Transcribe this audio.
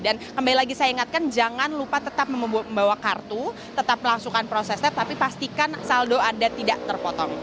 dan kembali lagi saya ingatkan jangan lupa tetap membawa kartu tetap melaksukkan prosesnya tapi pastikan saldo anda tidak terpotong